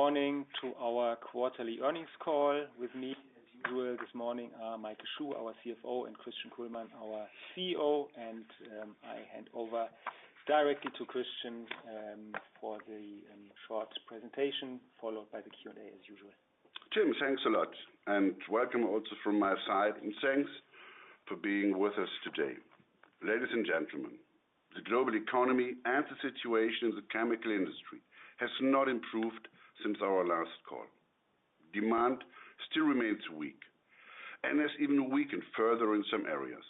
Good morning to our quarterly earnings call. With me, as you will, this morning, are Maike Schuh, our CFO, and Christian Kullmann, our CEO. I hand over directly to Christian for the short presentation, followed by the Q&A as usual. Tim, thanks a lot, and welcome also from my side, and thanks for being with us today. Ladies and gentlemen, the global economy and the situation in the chemical industry has not improved since our last call. Demand still remains weak and has even weakened further in some areas.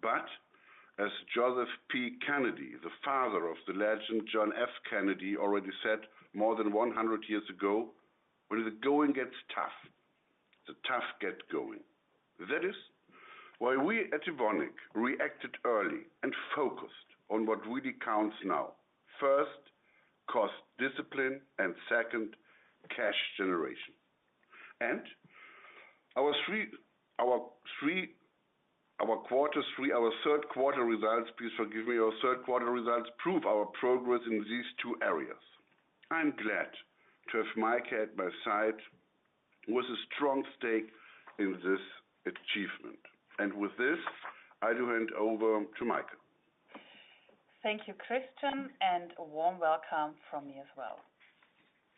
But as Joseph P. Kennedy, the father of the legend, John F. Kennedy, already said more than 100 years ago: "When the going gets tough, the tough get going." That is why we at Evonik reacted early and focused on what really counts now. First, cost discipline, and second, cash generation. And our third quarter results, please forgive me, prove our progress in these two areas. I'm glad to have Maike at my side, who was a strong stake in this achievement. With this, I do hand over to Maike. Thank you, Christian, and a warm welcome from me as well.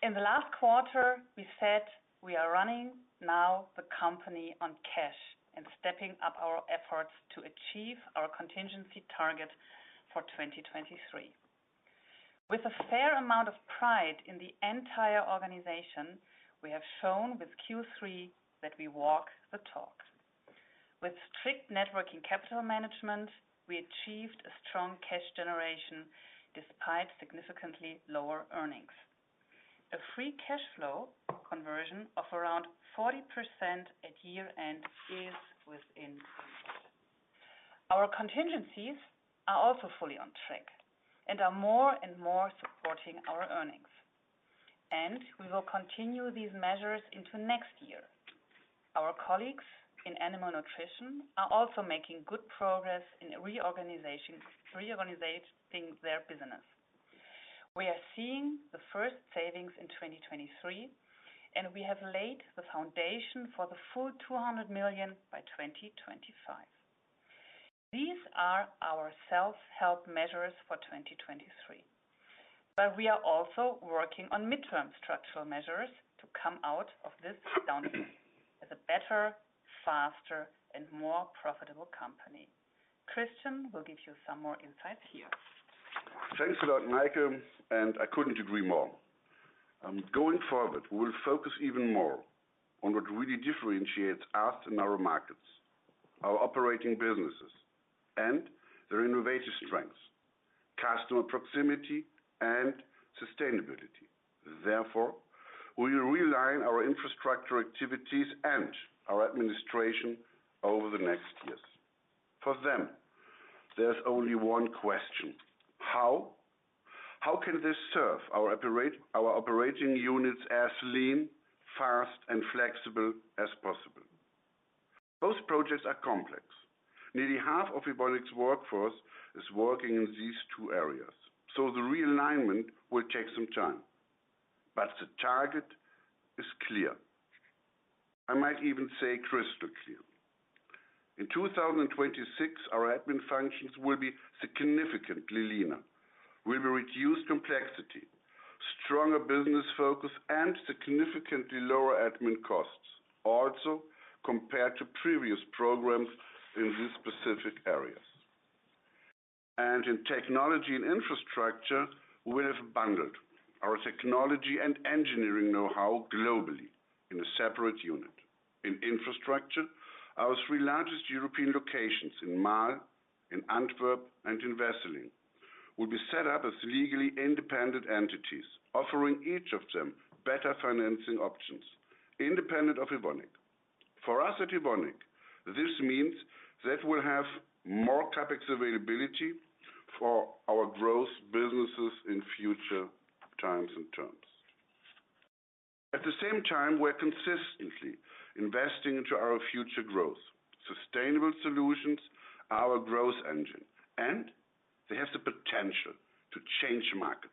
In the last quarter, we said we are running now the company on cash and stepping up our efforts to achieve our contingency target for 2023. With a fair amount of pride in the entire organization, we have shown with Q3 that we walk the talk. With strict net working capital management, we achieved a strong cash generation, despite significantly lower earnings. A free cash flow conversion of around 40% at year-end is within control. Our contingencies are also fully on track and are more and more supporting our earnings. We will continue these measures into next year. Our colleagues in Animal Nutrition are also making good progress in reorganization, reorganizing their business. We are seeing the first savings in 2023, and we have laid the foundation for the full 200 million by 2025. These are our self-help measures for 2023, but we are also working on midterm structural measures to come out of this downturn as a better, faster, and more profitable company. Christian will give you some more insights here. Thanks a lot, Maike, and I couldn't agree more. Going forward, we will focus even more on what really differentiates us in our markets, our operating businesses, and their innovative strengths, customer proximity, and sustainability. Therefore, we realign our infrastructure activities and our administration over the next years. For them, there's only one question: How? How can this serve our operating units as lean, fast, and flexible as possible? Both projects are complex. Nearly half of Evonik's workforce is working in these two areas, so the realignment will take some time, but the target is clear. I might even say crystal clear. In 2026, our admin functions will be significantly leaner. We will reduce complexity, stronger business focus, and significantly lower admin costs, also compared to previous programs in these specific areas. And in Technology & Infrastructure, we'll have bundled our technology and engineering know-how globally in a separate unit. In infrastructure, our three largest European locations in Marl, in Antwerp, and in Wesseling, will be set up as legally independent entities, offering each of them better financing options, independent of Evonik. For us at Evonik, this means that we'll have more CapEx availability for our growth businesses in future times and terms. At the same time, we're consistently investing into our future growth, sustainable solutions, our growth engine, and they have the potential to change markets.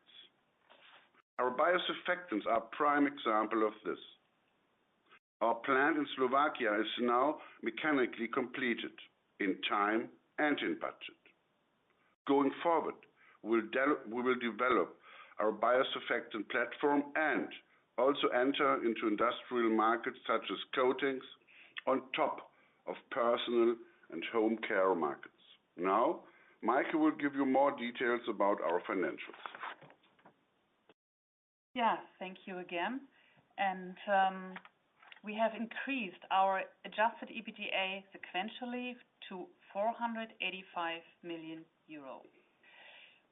Our biosurfactants are a prime example of this. Our plant in Slovakia is now mechanically completed in time and in budget. Going forward, we'll we will develop our biosurfactant platform and also enter into industrial markets such as coatings on top of personal and home care markets. Now, Maike will give you more details about our financials. Yeah. Thank you again. And, we have increased our adjusted EBITDA sequentially to 485 million euros.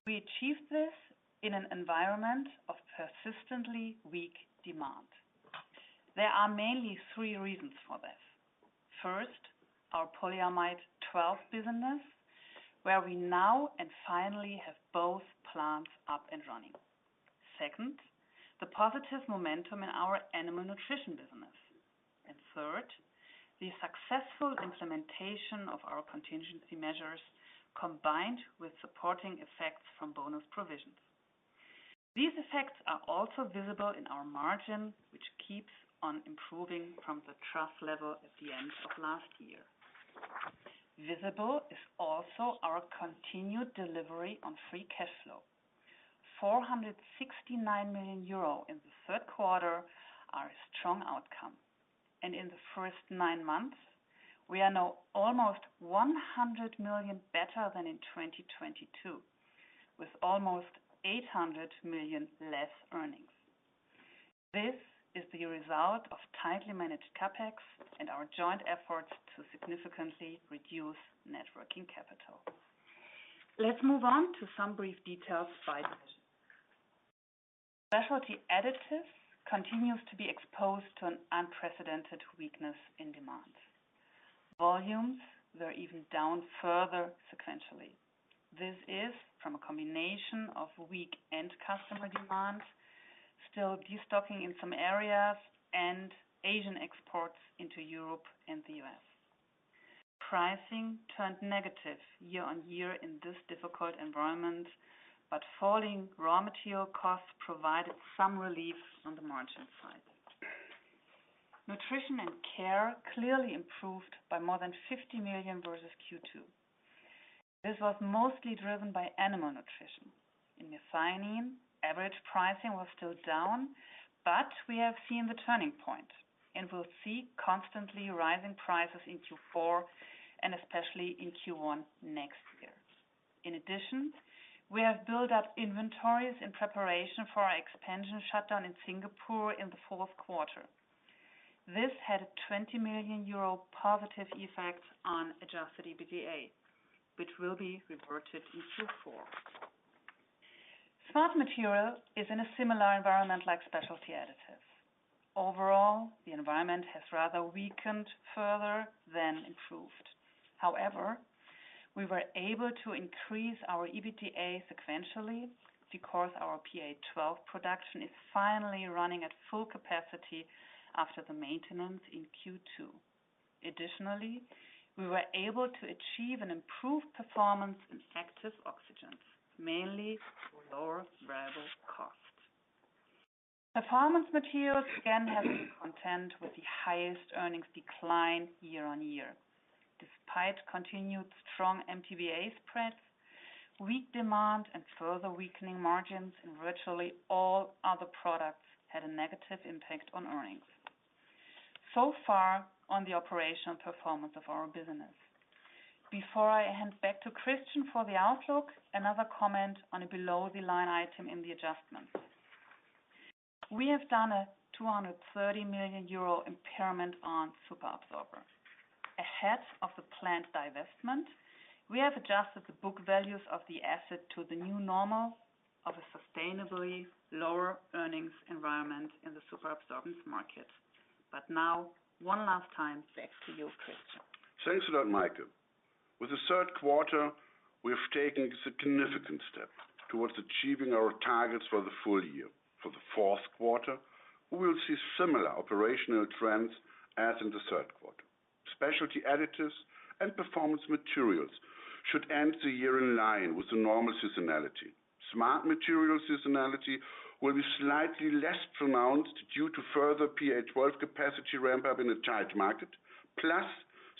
We achieved this in an environment of persistently weak demand. There are mainly three reasons for this. First, our polyamide 12 business, where we now and finally have both plants up and running. Second, the positive momentum in our animal nutrition business. Third, the successful implementation of our contingency measures, combined with supporting effects from bonus provisions. These effects are also visible in our margin, which keeps on improving from the trough level at the end of last year. Visible is also our continued delivery on free cash flow. 469 million euro in the third quarter are a strong outcome, and in the first nine months, we are now almost 100 million better than in 2022, with almost 800 million less earnings. This is the result of tightly managed CapEx and our joint efforts to significantly reduce net working capital. Let's move on to some brief details by division. specialty Additives continues to be exposed to an unprecedented weakness in demand. Volumes were even down further sequentially. This is from a combination of weak end customer demand, still destocking in some areas, and Asian exports into Europe and the U.S. Pricing turned negative year-on-year in this difficult environment, but falling raw material costs provided some relief on the margin side. Nutrition & Care clearly improved by more than 50 million versus Q2. This was mostly driven by animal nutrition. In methionine, average pricing was still down, but we have seen the turning point, and we'll see constantly rising prices in Q4 and especially in Q1 next year. In addition, we have built up inventories in preparation for our expansion shutdown in Singapore in the fourth quarter. This had a 20 million euro positive effect on adjusted EBITDA, which will be reverted in Q4. Smart Materials is in a similar environment like Specialty Additives. Overall, the environment has rather weakened further than improved. However, we were able to increase our EBITDA sequentially because our PA-12 production is finally running at full capacity after the maintenance in Q2. Additionally, we were able to achieve an improved performance in Active Oxygens, mainly through lower variable costs. Performance Materials again have been contending with the highest earnings decline year-on-year. Despite continued strong MTBE spreads, weak demand and further weakening margins in virtually all other products had a negative impact on earnings. So far on the operational performance of our business. Before I hand back to Christian for the outlook, another comment on a below-the-line item in the adjustment. We have done a 230 million euro impairment on superabsorber. Ahead of the planned divestment, we have adjusted the book values of the asset to the new normal of a sustainably lower earnings environment in the superabsorbent market. But now, one last time, back to you, Christian. Thanks a lot, Maike. With the third quarter, we have taken a significant step towards achieving our targets for the full year. For the fourth quarter, we will see similar operational trends as in the third quarter. Specialty Additives and Performance Materials should end the year in line with the normal seasonality. Smart Materials seasonality will be slightly less pronounced due to further PA-12 capacity ramp up in the tire market, plus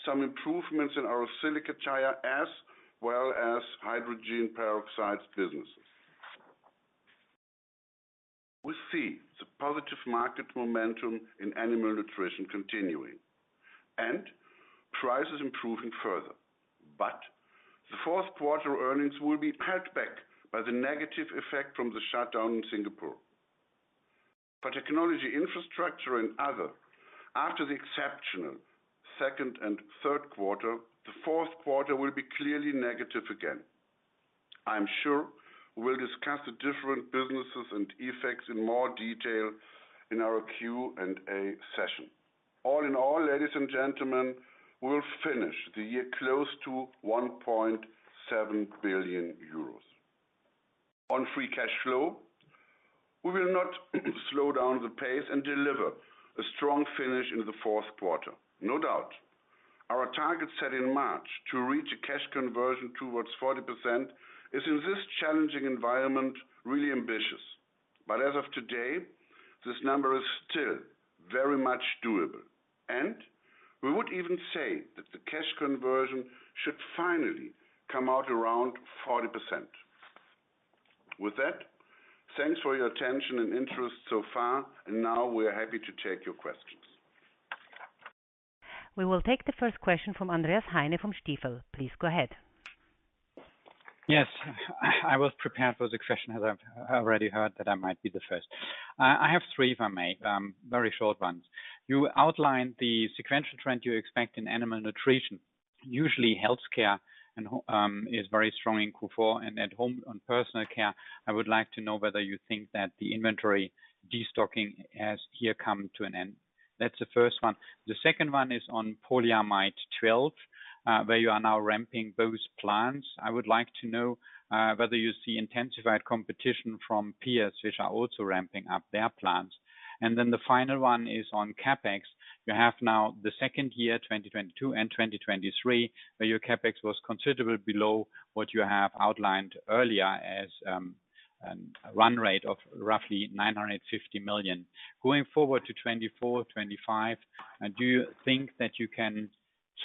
some improvements in our silica tire, as well as hydrogen peroxides businesses. We see the positive market momentum in Animal Nutrition continuing and prices improving further, but the fourth quarter earnings will be held back by the negative effect from the shutdown in Singapore. For Technology & Infrastructure and Other, after the exceptional second and third quarter, the fourth quarter will be clearly negative again. I'm sure we'll discuss the different businesses and effects in more detail in our Q&A session. All in all, ladies and gentlemen, we'll finish the year close to 1.7 billion euros. On free cash flow, we will not slow down the pace and deliver a strong finish in the fourth quarter. No doubt, our target set in March to reach a cash conversion towards 40% is, in this challenging environment, really ambitious. But as of today, this number is still very much doable, and we would even say that the cash conversion should finally come out around 40%. With that, thanks for your attention and interest so far, and now we are happy to take your questions. We will take the first question from Andreas Heine, from Stifel. Please go ahead. Yes, I was prepared for the question, as I've already heard that I might be the first. I have three, if I may, very short ones. You outlined the sequential trend you expect in Animal Nutrition. Usually, Health Care and home and personal care is very strong in Q4, I would like to know whether you think that the inventory destocking has here come to an end? That's the first one. The second one is on Polyamide 12, where you are now ramping both plants. I would like to know whether you see intensified competition from peers which are also ramping up their plants. And then the final one is on CapEx. You have now the second year, 2022 and 2023, where your CapEx was considerably below what you have outlined earlier as a run rate of roughly 950 million. Going forward to 2024, 2025, do you think that you can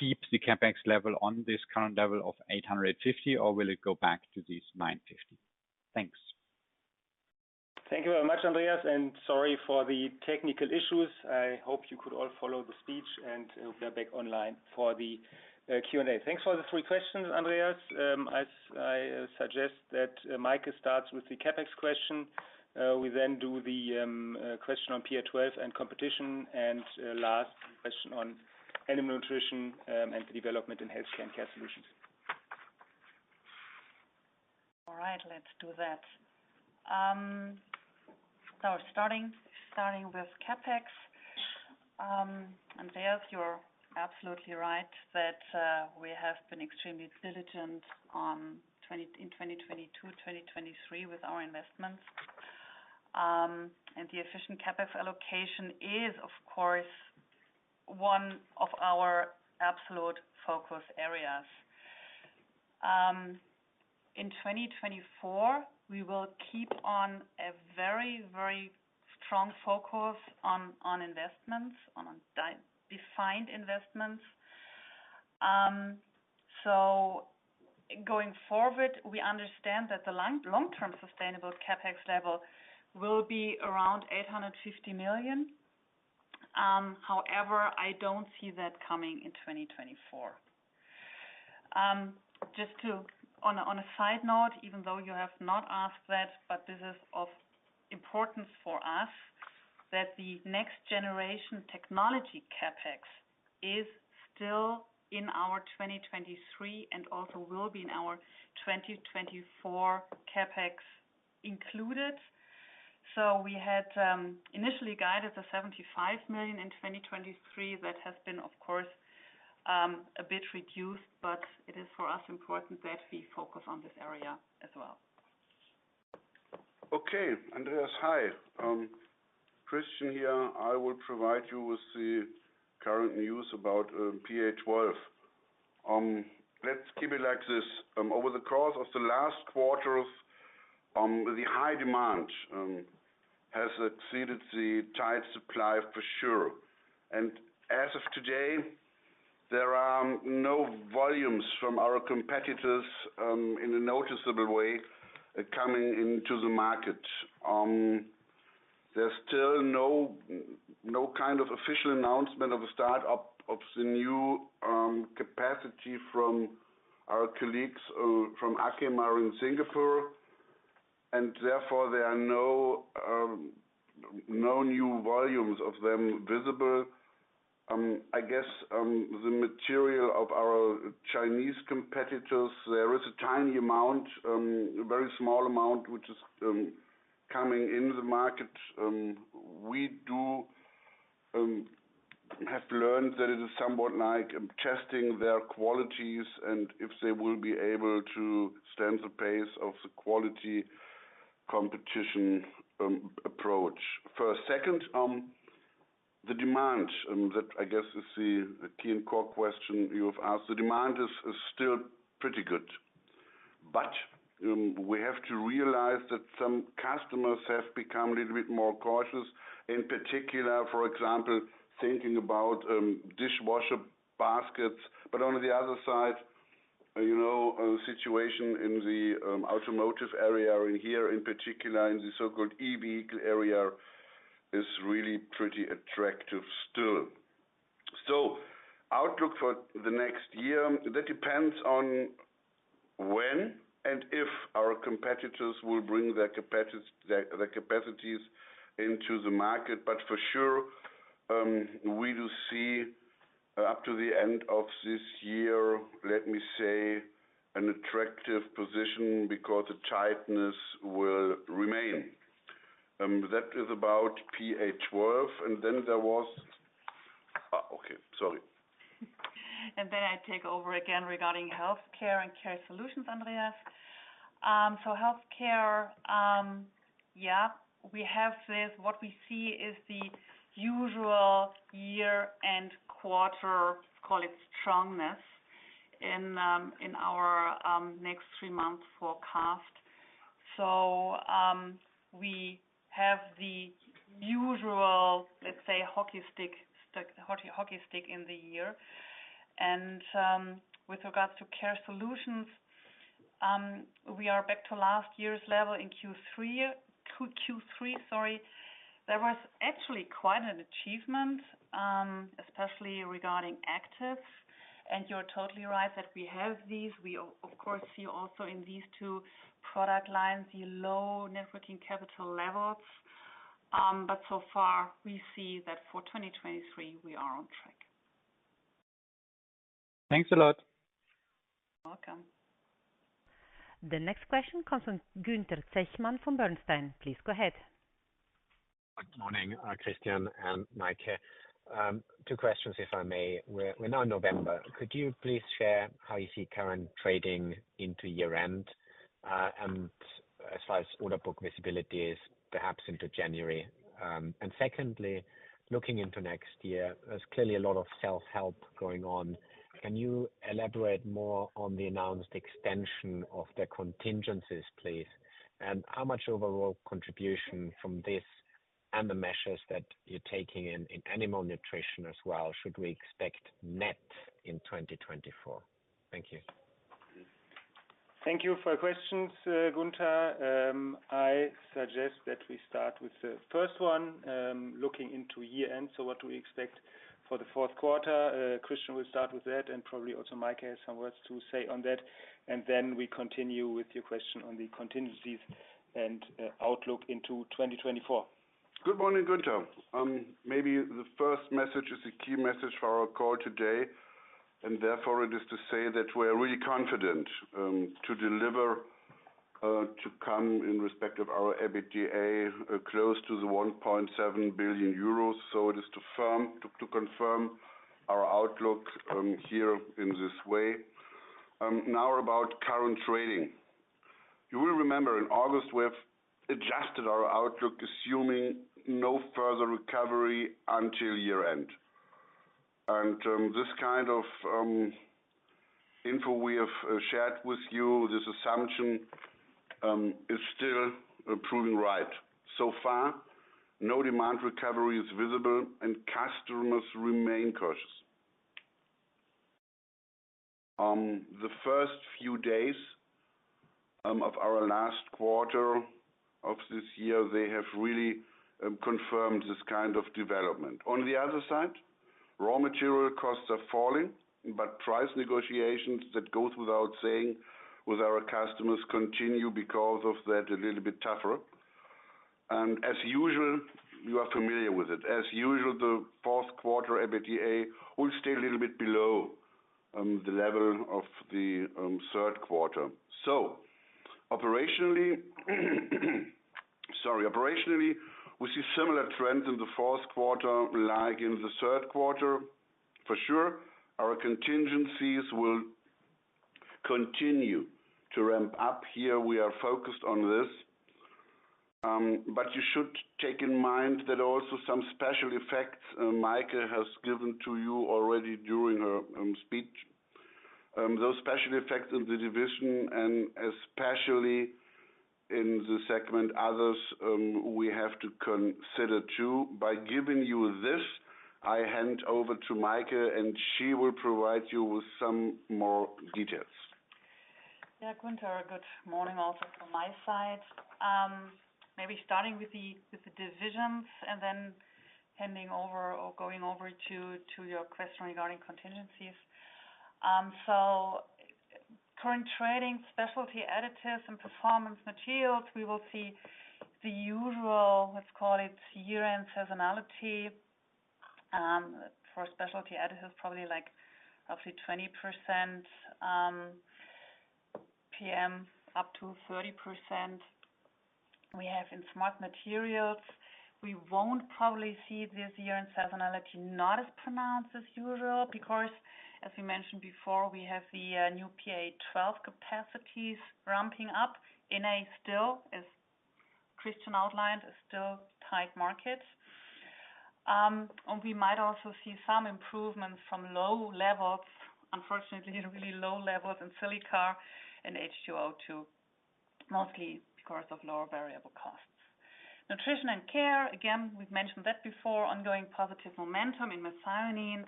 keep the CapEx level on this current level of 850 million, or will it go back to this 950? Thanks. Thank you very much, Andreas, and sorry for the technical issues. I hope you could all follow the speech, and hope we are back online for the Q&A. Thanks for the three questions, Andreas. I suggest that Maike starts with the CapEx question. We then do the question on PA 12 and competition, and last question on animal nutrition, and development in healthcare and care solutions. All right, let's do that. So starting with CapEx. Andreas, you're absolutely right that we have been extremely diligent on in 2022, 2023 with our investments. And the efficient CapEx allocation is, of course, one of our absolute focus areas. In 2024, we will keep on a very, very strong focus on investments, on defined investments. So going forward, we understand that the long-term sustainable CapEx level will be around 850 million. However, I don't see that coming in 2024. Just on a side note, even though you have not asked that, but this is of importance for us, that the next generation technology CapEx is still in our 2023 and also will be in our 2024 CapEx included. We had initially guided 75 million in 2023. That has been, of course, a bit reduced, but it is for us important that we focus on this area as well. Okay, Andreas, hi. Christian here. I will provide you with the current news about PA 12. Let's keep it like this. Over the course of the last quarters, the high demand has exceeded the tight supply for sure. And as of today, there are no volumes from our competitors in a noticeable way coming into the market. There's still no kind of official announcement of a startup of the new capacity from our colleagues from Arkema in Singapore, and therefore, there are no new volumes of them visible. I guess the material of our Chinese competitors, there is a tiny amount, a very small amount, which is coming in the market. We do have learned that it is somewhat like testing their qualities and if they will be able to stand the pace of the quality competition approach. For a second, the demand that I guess is the key and core question you have asked. The demand is still pretty good, but we have to realize that some customers have become a little bit more cautious, in particular, for example, thinking about dishwasher baskets. But on the other side, you know, situation in the automotive area, and here in particular in the so-called EV area, is really pretty attractive still. So outlook for the next year, that depends on when and if our competitors will bring their capacities into the market. But for sure, we do see up to the end of this year, let me say, an attractive position because the tightness will remain. That is about PA-12. And then there was... Then I take over again regarding Health Care and Care Solutions, Andreas. So Health Care, yeah, we have this. What we see is the usual year and quarter, call it, strongness, in our next three months forecast. So we have the usual, let's say, hockey stick in the year. And with regards to Care Solutions, we are back to last year's level in Q3, sorry. There was actually quite an achievement, especially regarding actives. And you're totally right that we have these. We of course see also in these two product lines, the low Net Working Capital levels. But so far, we see that for 2023 we are on track.... Thanks a lot. Welcome. The next question comes from Gunther Zechmann from Bernstein. Please go ahead. Good morning, Christian and Maike. Two questions, if I may. We're now in November. Could you please share how you see current trading into year-end, and as far as order book visibility is perhaps into January? And secondly, looking into next year, there's clearly a lot of self-help going on. Can you elaborate more on the announced extension of the contingencies, please? And how much overall contribution from this and the measures that you're taking in animal nutrition as well, should we expect net in 2024? Thank you. Thank you for your questions, Gunther. I suggest that we start with the first one, looking into year-end, so what do we expect for the fourth quarter? Christian will start with that, and probably also Maike has some words to say on that, and then we continue with your question on the contingencies and, outlook into 2024. Good morning, Gunther. Maybe the first message is a key message for our call today, and therefore it is to say that we're really confident, to deliver, to come in respect of our EBITDA, close to the 1.7 billion euros. So it is to firm, to confirm our outlook, here in this way. Now, about current trading. You will remember in August, we have adjusted our outlook, assuming no further recovery until year-end. And, this kind of info we have shared with you, this assumption is still proving right. So far, no demand recovery is visible and customers remain cautious. The first few days of our last quarter of this year, they have really confirmed this kind of development. On the other side, raw material costs are falling, but price negotiations that goes without saying with our customers continue because of that a little bit tougher. And as usual, you are familiar with it. As usual, the fourth quarter EBITDA will stay a little bit below the level of the third quarter. So operationally, we see similar trends in the fourth quarter, like in the third quarter. For sure, our contingencies will continue to ramp up. Here, we are focused on this, but you should take in mind that also some special effects Maike has given to you already during her speech. Those special effects in the division and especially in the segment others we have to consider, too. By giving you this, I hand over to Maike, and she will provide you with some more details. Yeah, Gunther, good morning also from my side. Maybe starting with the divisions and then handing over or going over to your question regarding contingencies. So current trading, specialty additives and performance materials, we will see the usual, let's call it year-end seasonality, for specialty additives, probably like up to 20%, PM, up to 30%. We have in smart materials, we won't probably see this year-end seasonality, not as pronounced as usual, because as we mentioned before, we have the new PA12 capacities ramping up in a still, as Christian outlined, a still tight market. And we might also see some improvements from low levels, unfortunately, really low levels in silica and H2O2, mostly because of lower variable costs. Nutrition & Care, again, we've mentioned that before, ongoing positive momentum in methionine,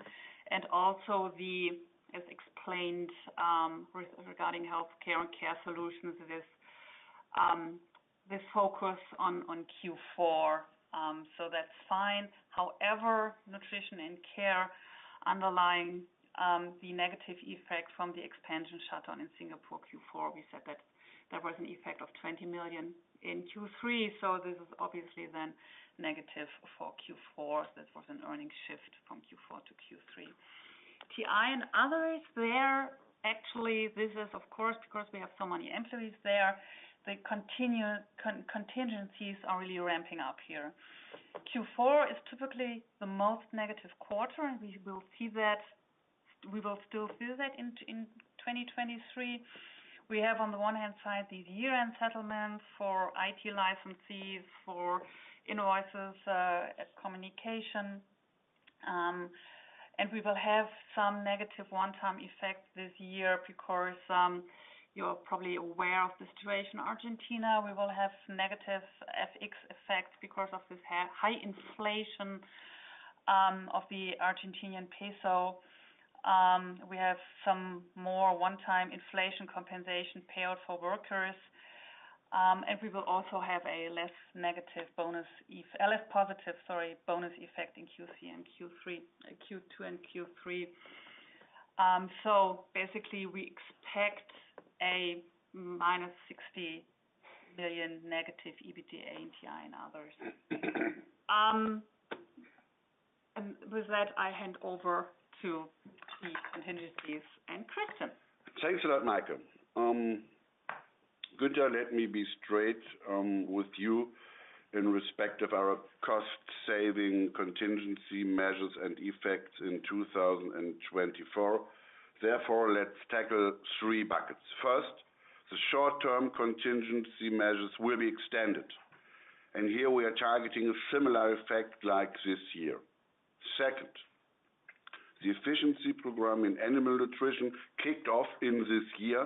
and also the, as explained, regarding Health Care and Care Solutions, this, this focus on Q4. So that's fine. However, Nutrition & Care underlying, the negative effect from the expansion shutdown in Singapore, Q4, we said that there was an effect of 20 million in Q3, so this is obviously then negative for Q4. That was an earnings shift from Q4 to Q3. Technology & Infrastructure and others, there, actually, this is of course, because we have so many employees there, the continuing contingencies are really ramping up here. Q4 is typically the most negative quarter, and we will see that—we will still feel that in 2023. We have, on the one hand side, the year-end settlement for IT licensees, for invoices, as communication. And we will have some negative one-time effects this year because you're probably aware of the situation in Argentina. We will have negative FX effects because of this high inflation of the Argentine peso. We have some more one-time inflation compensation payout for workers, and we will also have a less positive, sorry, bonus effect in Q2 and Q3. So basically, we expect a -60 million negative EBITDA NTI and others. And with that, I hand over to the contingencies and Christian. Thanks a lot, Maike. Good day, let me be straight with you in respect of our cost-saving contingency measures and effects in 2024. Therefore, let's tackle three buckets. First, the short-term contingency measures will be extended, and here we are targeting a similar effect like this year. Second, the efficiency program in Animal Nutrition kicked off in this year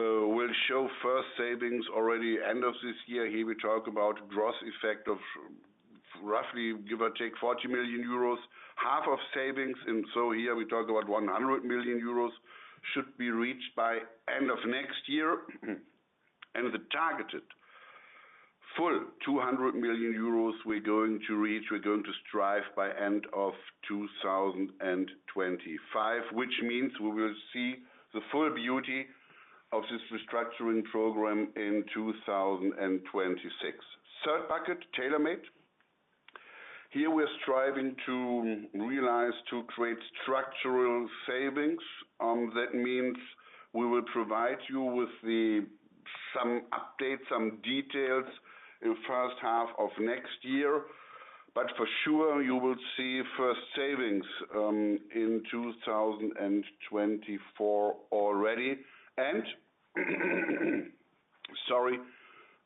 will show first savings already end of this year. Here we talk about gross effect of roughly, give or take, 40 million euros, half of savings, and so here we talk about 100 million euros should be reached by end of next year. And the targeted full 200 million euros we're going to reach, we're going to strive by end of 2025, which means we will see the full beauty of this restructuring program in 2026. Third bucket, Tailor Made. Here we're striving to realize, to create structural savings. That means we will provide you with the, some updates, some details in first half of next year. But for sure, you will see first savings in 2024 already. And, sorry,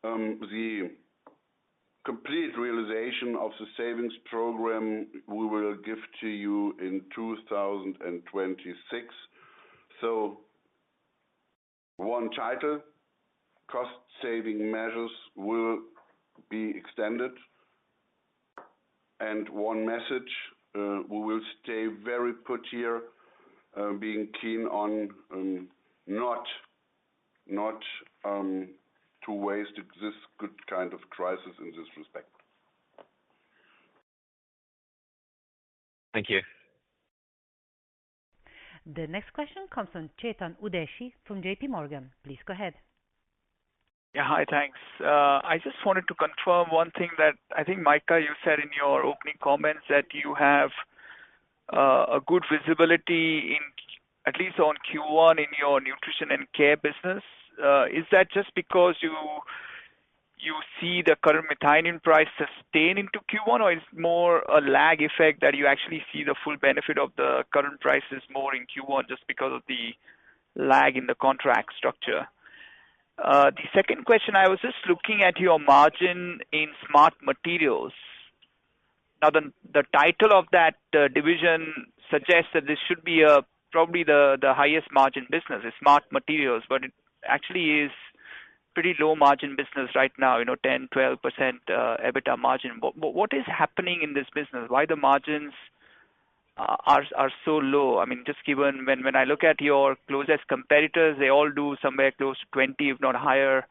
the complete realization of the savings program, we will give to you in 2026. So one title, cost saving measures will be extended. And one message, we will stay very put here, being keen on, not to waste this good kind of crisis in this respect. Thank you. The next question comes from Chetan Udeshi from J.P. Morgan. Please go ahead. Yeah. Hi, thanks. I just wanted to confirm one thing that I think, Maike, you said in your opening comments, that you have a good visibility in at least on Q1 in your Nutrition & Care business. Is that just because you see the current methionine price sustain into Q1, or is more a lag effect that you actually see the full benefit of the current prices more in Q1, just because of the lag in the contract structure? The second question, I was just looking at your margin in Smart Materials. Now, the title of that division suggests that this should be probably the highest margin business, the Smart Materials, but it actually is pretty low margin business right now, you know, 10%-12% EBITDA margin. What is happening in this business? Why are the margins so low? I mean, just given when I look at your closest competitors, they all do somewhere close to 20, if not higher,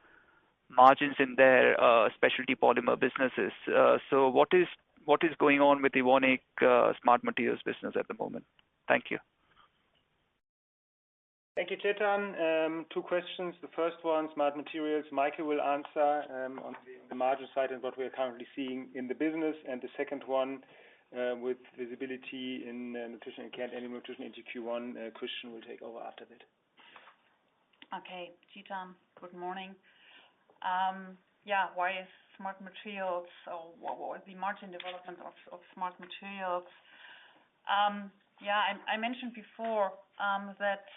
margins in their specialty polymer businesses. So what is going on with Evonik Smart Materials business at the moment? Thank you. Thank you, Chetan. Two questions. The first one, Smart Materials. Maike will answer on the margin side and what we are currently seeing in the business. And the second one, with visibility in Nutrition and Care, Animal Nutrition into Q1, Christian will take over after that. Okay, Chetan, good morning. Yeah, why is Smart Materials or what, what would be margin development of, of Smart Materials? Yeah, and I mentioned before, that,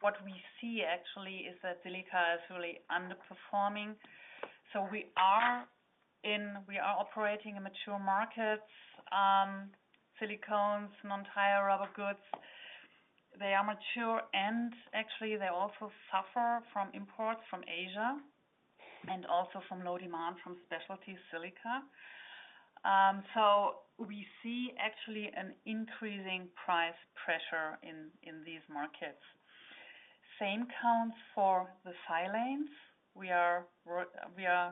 what we see actually is that silica is really underperforming. So we are operating in mature markets, silicones, non-tire rubber goods. They are mature, and actually, they also suffer from imports from Asia and also from low demand from specialty silica. So we see actually an increasing price pressure in, in these markets. Same goes for the silanes. We are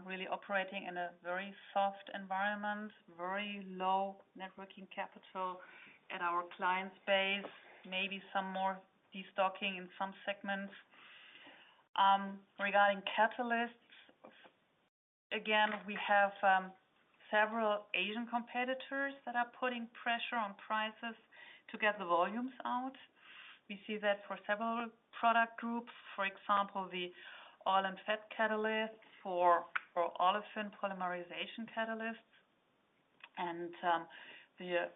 really operating in a very soft environment, very low net working capital in our client base, maybe some more destocking in some segments. Regarding catalysts, again, we have, several Asian competitors that are putting pressure on prices to get the volumes out. We see that for several product groups, for example, the oil and fat catalysts for olefin polymerization catalysts. And the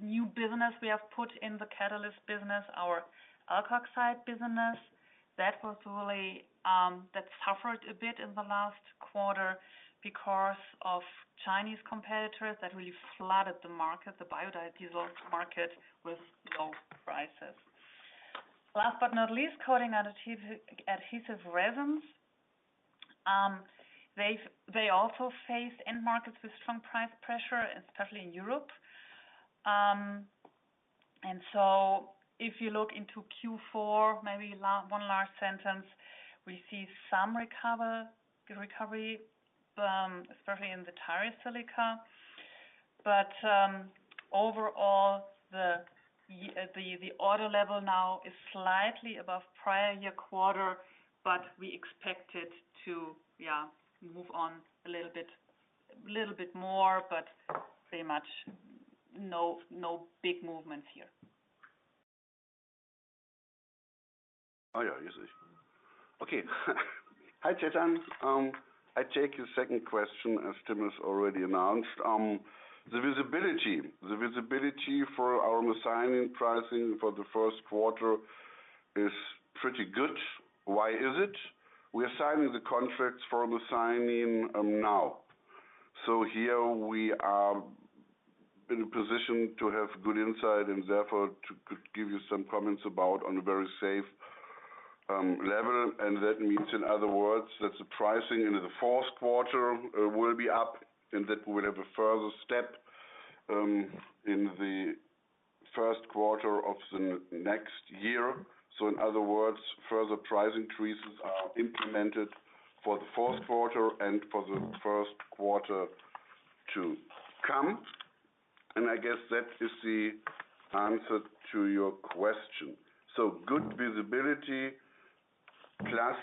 new business we have put in the catalyst business, our alkoxide business, that was really that suffered a bit in the last quarter because of Chinese competitors that really flooded the market, the biodiesel market, with low prices. Last but not least, Coating & Adhesive Resins. They also face end markets with strong price pressure, especially in Europe. And so if you look into Q4, maybe one last sentence, we see some recover, recovery, especially in the tire silica. But overall, the order level now is slightly above prior year quarter, but we expect it to, yeah, move on a little bit, little bit more, but pretty much no big movements here. Oh, yeah, you see. Okay. Hi, Chetan. I take your second question, as Tim has already announced. The visibility for our methionine pricing for the first quarter is pretty good. Why is it? We are signing the contracts for the methionine now. So here we are in a position to have good insight and therefore to give you some comments about on a very safe level. And that means, in other words, that the pricing in the fourth quarter will be up, and that we will have a further step in the first quarter of the next year. So in other words, further price increases are implemented for the fourth quarter and for the first quarter to come. And I guess that is the answer to your question. So good visibility, plus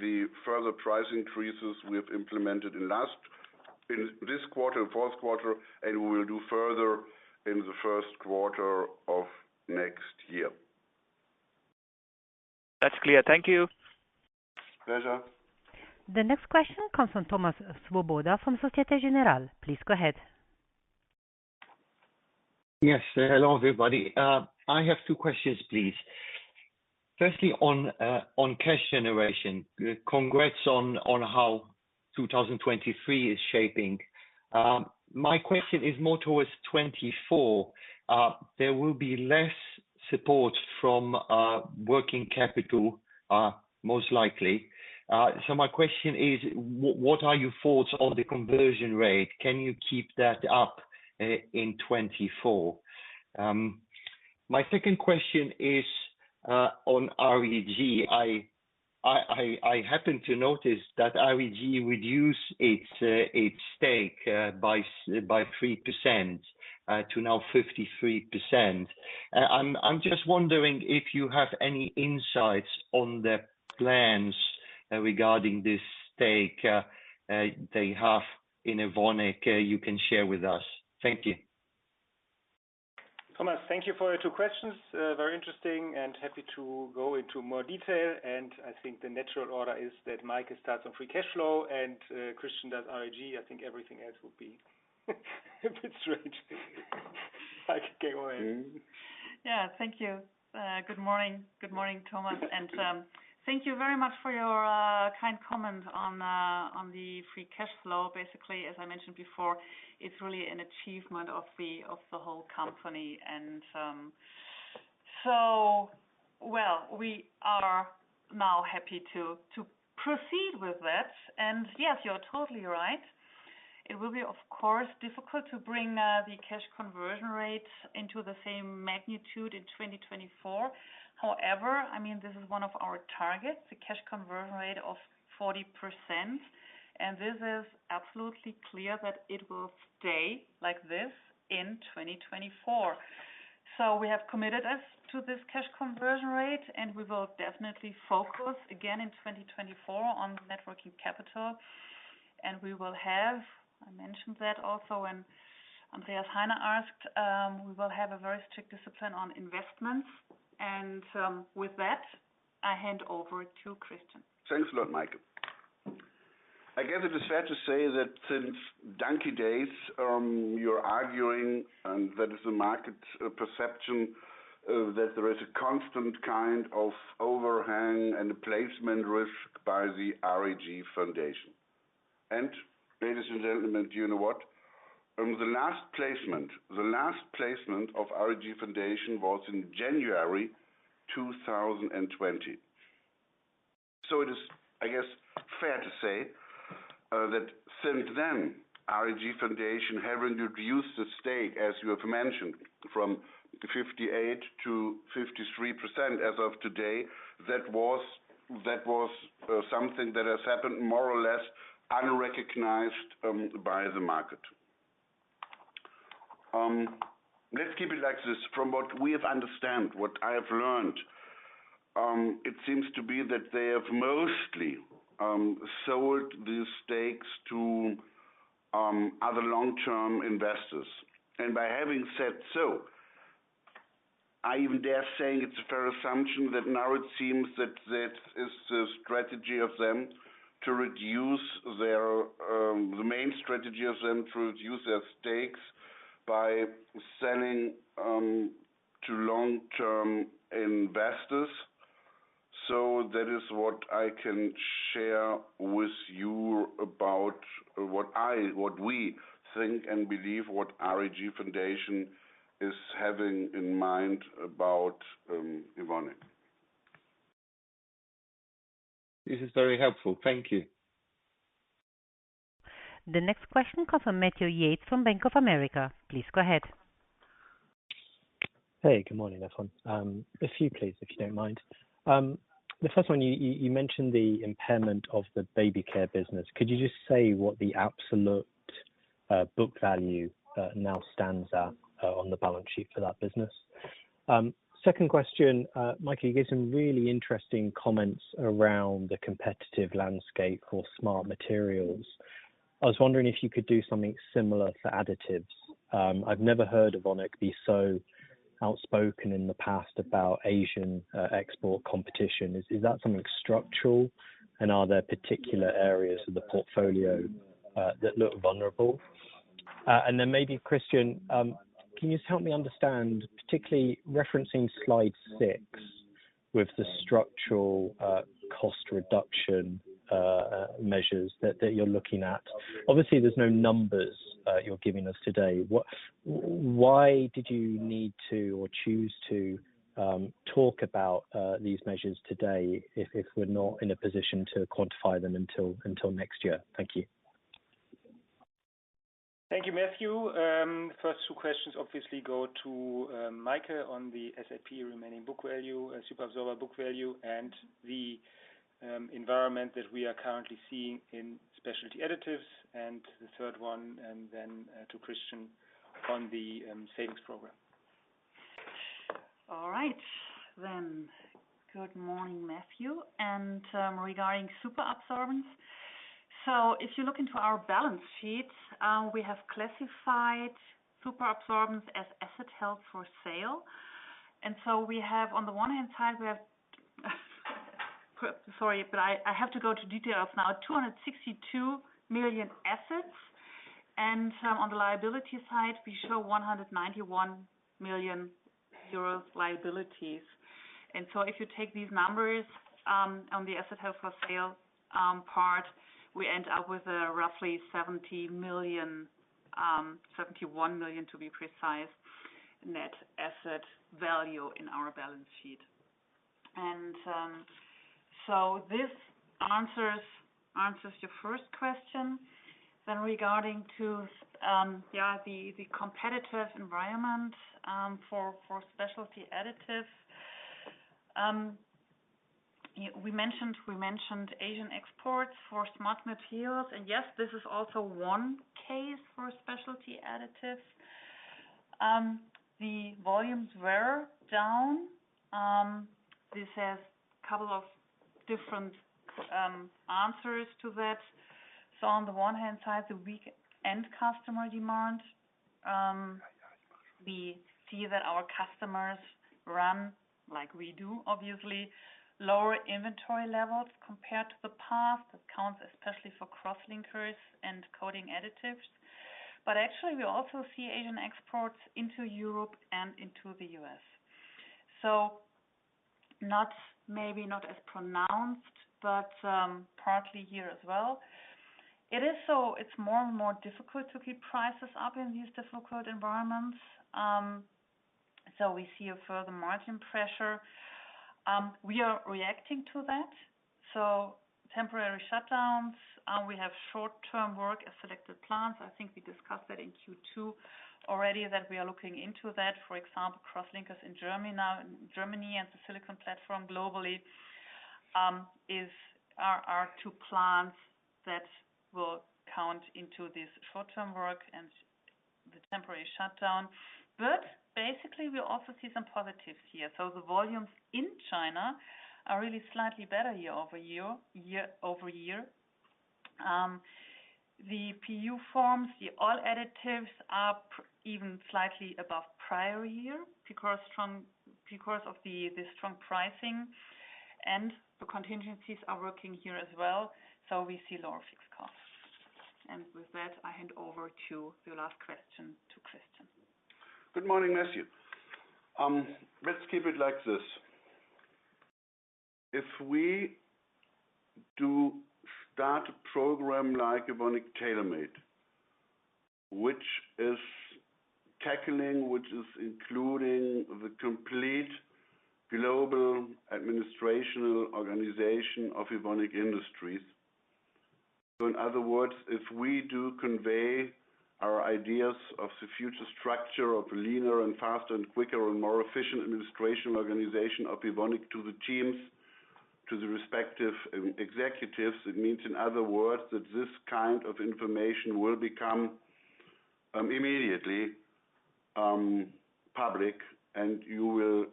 the further price increases we have implemented in this quarter, fourth quarter, and we will do further in the first quarter of next year. That's clear. Thank you. Pleasure. The next question comes from Thomas Swoboda, from Société Générale. Please go ahead. Yes. Hello, everybody. I have two questions, please. Firstly, on cash generation. Congrats on how 2023 is shaping. My question is more towards 2024. There will be less support from working capital, most likely. So my question is: what are your thoughts on the conversion rate? Can you keep that up in 2024? My second question is on REG. I happen to notice that REG reduced its stake by 3% to now 53%. I'm just wondering if you have any insights on their plans regarding this stake they have in Evonik you can share with us. Thank you. Thomas, thank you for your two questions. Very interesting, and happy to go into more detail. And I think the natural order is that Maike starts on free cash flow, and Christian does RAG. I think everything else will be a bit strange. Maike, go ahead. Yeah. Thank you. Good morning. Good morning, Thomas, and thank you very much for your kind comment on the Free Cash Flow. Basically, as I mentioned before, it's really an achievement of the whole company. And so, well, we are now happy to proceed with that. And yes, you're totally right. It will be, of course, difficult to bring the Cash Conversion Rate into the same magnitude in 2024. However, I mean, this is one of our targets, the Cash Conversion Rate of 40%, and this is absolutely clear that it will stay like this in 2024. So we have committed us to this Cash Conversion Rate, and we will definitely focus again in 2024 on the Net Working Capital. We will have, I mentioned that also when Andreas Heine asked, we will have a very strict discipline on investments. With that, I hand over to Christian. Thanks a lot, Maike. I guess it is fair to say that since donkey's years, you're arguing, and that is the market perception, that there is a constant kind of overhang and placement risk by the RAG Foundation. And ladies and gentlemen, do you know what? From the last placement, the last placement of RAG Foundation was in January 2020. So it is, I guess, fair to say, that since then, RAG Foundation have reduced the stake, as you have mentioned, from 58% to 53% as of today. That was, that was, something that has happened more or less unrecognized, by the market. Let's keep it like this. From what we have understand, what I have learned, it seems to be that they have mostly, sold these stakes to, other long-term investors. And by having said so, I even dare saying it's a fair assumption that now it seems that, that is the strategy of them to reduce their. The main strategy of them to reduce their stakes by selling to long-term investors. So that is what I can share with you about, what I, what we think and believe, what RAG Foundation is having in mind about, Evonik. This is very helpful. Thank you. The next question comes from Matthew Yates from Bank of America. Please go ahead.... Hey, good morning, everyone. A few, please, if you don't mind. The first one, you mentioned the impairment of the baby care business. Could you just say what the absolute book value now stands at on the balance sheet for that business? Second question, Maike, you gave some really interesting comments around the competitive landscape for Smart Materials. I was wondering if you could do something similar for additives. I've never heard Evonik be so outspoken in the past about Asian export competition. Is that something structural, and are there particular areas of the portfolio that look vulnerable? And then maybe, Christian, can you just help me understand, particularly referencing slide 6, with the structural cost reduction measures that you're looking at? Obviously, there's no numbers you're giving us today. Why did you need to or choose to talk about these measures today, if we're not in a position to quantify them until next year? Thank you. Thank you, Matthew. First two questions obviously go to, Maike on the SAP remaining book value, superabsorber book value, and the environment that we are currently seeing in Specialty Additives, and the third one, and then, to Christian on the savings program. All right. Then, good morning, Matthew. And regarding superabsorbents, so if you look into our balance sheet, we have classified superabsorbents as asset held for sale. And so we have on the one hand side, we have, sorry, but I have to go into detail now, 262 million assets, and on the liability side, we show 191 million euros liabilities. And so if you take these numbers, on the asset held for sale part, we end up with a roughly 70 million, 71 million, to be precise, net asset value in our balance sheet. And so this answers your first question. Then regarding the competitive environment for specialty additives. We mentioned, we mentioned Asian exports for Smart Materials, and yes, this is also one case for Specialty Additives. The volumes were down. This has a couple of different answers to that. So on the one hand side, the weak end customer demand, we see that our customers run, like we do, obviously, lower inventory levels compared to the past. That counts especially for crosslinkers and coating additives. But actually, we also see Asian exports into Europe and into the U.S. So not, maybe not as pronounced, but, partly here as well. It is so, it's more and more difficult to keep prices up in these difficult environments, so we see a further margin pressure. We are reacting to that. So temporary shutdowns, we have short-term work at selected plants. I think we discussed that in Q2 already, that we are looking into that. For example, Crosslinkers in Germany now, Germany and the Silica platform globally, are two plants that will count into this short-term work and the temporary shutdown. But basically, we also see some positives here. So the volumes in China are really slightly better year-over-year, year-over-year. The PU forms, the oil additives are even slightly above prior year because of the strong pricing and the contingencies are working here as well, so we see lower fixed costs. And with that, I hand over to your last question to Christian. Good morning, Matthew. Let's keep it like this. If we do start a program like Evonik Tailor Made, which is tackling, which is including the complete global administrative organization of Evonik Industries. So in other words, if we do convey our ideas of the future structure of leaner and faster and quicker and more efficient administration organization of Evonik to the teams, to the respective executives, it means, in other words, that this kind of information will become immediately public, and you will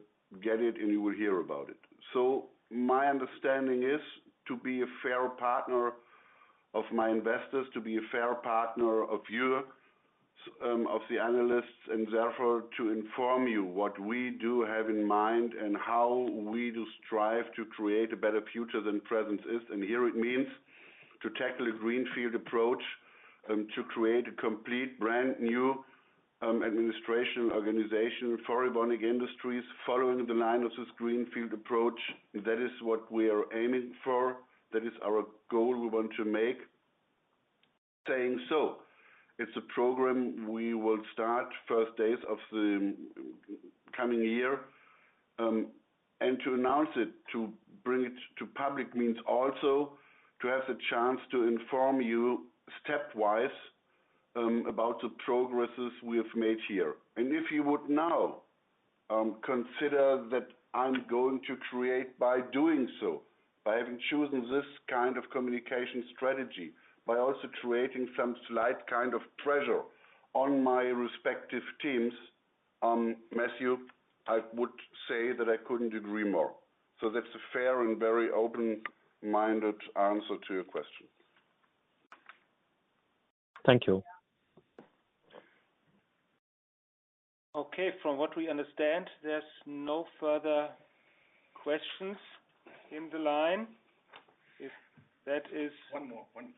get it, and you will hear about it. So my understanding is to be a fair partner of my investors, to be a fair partner of you, of the analysts, and therefore, to inform you what we do have in mind and how we do strive to create a better future than present is. Here it means to tackle a greenfield approach, to create a complete brand new, administration organization for Evonik Industries, following the line of this greenfield approach. That is what we are aiming for. That is our goal we want to make, saying so. It's a program we will start first days of the coming year.... To announce it, to bring it to public means also to have the chance to inform you step-wise, about the progresses we have made here. If you would now, consider that I'm going to create by doing so, by having choosing this kind of communication strategy, by also creating some slight kind of pressure on my respective teams, Matthew, I would say that I couldn't agree more. So that's a fair and very open-minded answer to your question. Thank you. Okay, from what we understand, there's no further questions in the line. If that is- One more. One, one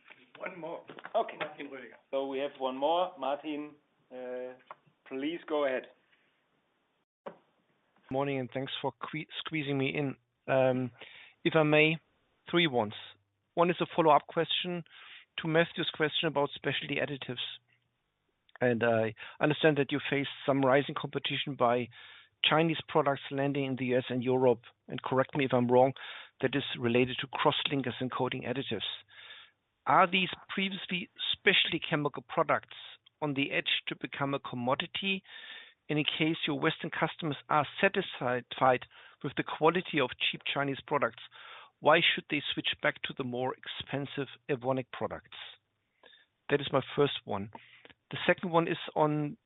more. Okay. Martin Roediger. So we have one more. Martin, please go ahead. Morning, and thanks for squeezing me in. If I may, three ones. One is a follow-up question to Matthew's question about specialty additives. I understand that you face some rising competition by Chinese products landing in the U.S. and Europe, and correct me if I'm wrong, that is related to crosslinkers and coating additives. Are these previously specialty chemical products on the edge to become a commodity? And in case your Western customers are satisfied with the quality of cheap Chinese products, why should they switch back to the more expensive Evonik products? That is my first one. The second one is on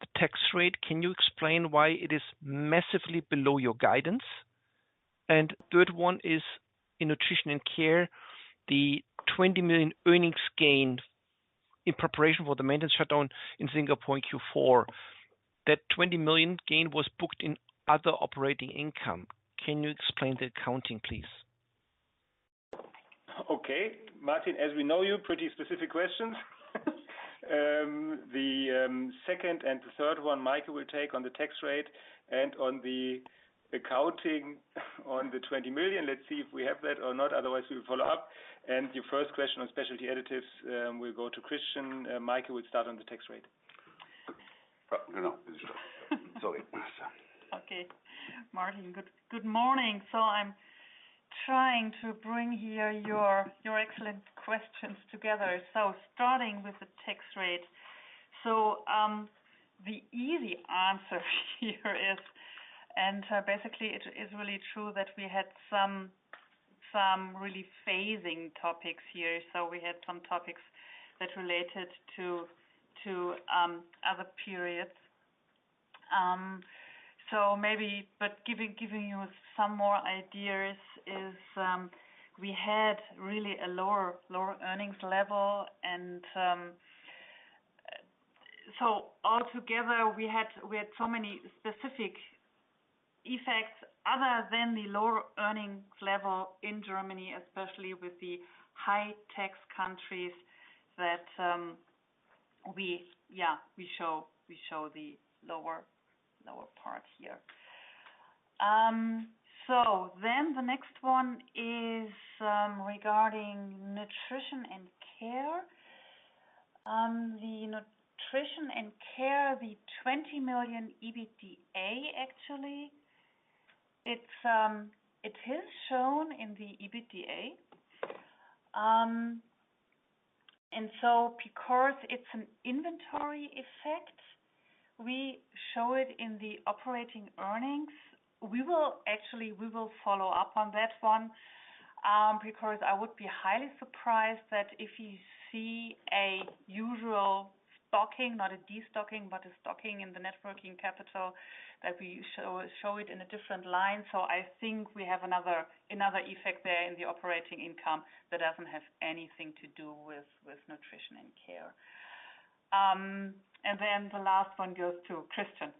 the tax rate. Can you explain why it is massively below your guidance? Third one is in nutrition and care, the 20 million earnings gained in preparation for the maintenance shutdown in Singapore in Q4. That 20 million gain was booked in other operating income. Can you explain the accounting, please? Okay, Martin, as we know you, pretty specific questions. The second and the third one, Maike will take on the tax rate and on the accounting on the 20 million. Let's see if we have that or not, otherwise, we'll follow up. And your first question on Specialty Additives will go to Christian. Maike will start on the tax rate. No, no. Sorry. Okay, Martin, good morning. So I'm trying to bring here your excellent questions together. So starting with the tax rate. So the easy answer here is, and basically, it is really true that we had some really phasing topics here. So we had some topics that related to other periods. So maybe but giving you some more ideas is we had really a lower earnings level and so altogether, we had we had so many specific effects other than the lower earnings level in Germany, especially with the high tax countries that we, yeah, we show the lower part here. So then the next one is regarding Nutrition and Care. The Nutrition and Care, the 20 million EBITDA, actually, it's it is shown in the EBITDA. And so because it's an inventory effect, we show it in the operating earnings. We will. Actually, we will follow up on that one, because I would be highly surprised that if you see a usual stocking, not a destocking, but a stocking in the net working capital, that we show it in a different line. So I think we have another effect there in the operating income that doesn't have anything to do with Nutrition and Care. And then the last one goes to Christian.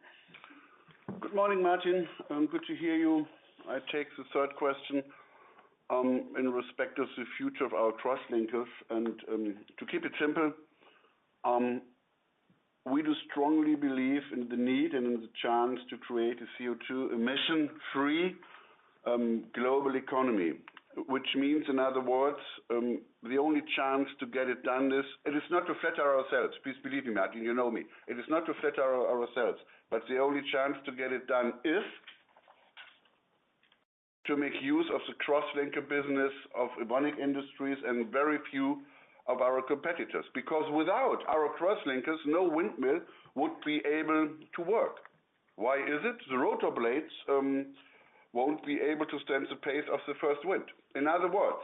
Good morning, Martin. I'm glad to hear you. I take the third question in respect of the future of our crosslinkers. To keep it simple, we do strongly believe in the need and in the chance to create a CO2 emission-free global economy, which means, in other words, the only chance to get it done is. It is not to flatter ourselves. Please believe me, Martin, you know me. It is not to flatter our, ourselves, but the only chance to get it done is to make use of the crosslinker business of Evonik Industries and very few of our competitors. Because without our crosslinkers, no windmill would be able to work. Why is it? The rotor blades won't be able to stand the pace of the first wind. In other words,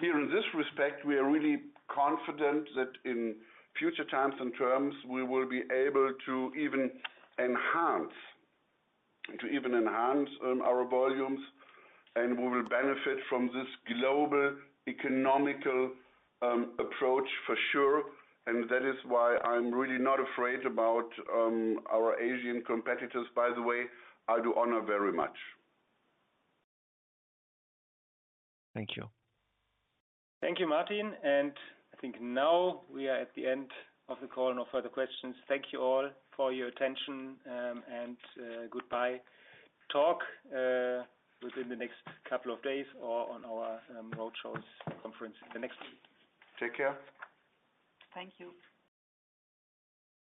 here in this respect, we are really confident that in future times and terms, we will be able to even enhance our volumes, and we will benefit from this global economic approach for sure. And that is why I'm really not afraid about our Asian competitors, by the way. I do honor very much. Thank you. Thank you, Martin. I think now we are at the end of the call. No further questions. Thank you all for your attention and goodbye. Talk within the next couple of days or on our road shows conference in the next week. Take care. Thank you.